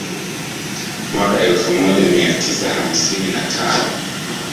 Mwaka elfu moja mia tisa hamsini na tano